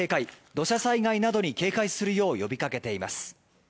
土砂災害などに警戒するよう呼び掛けています。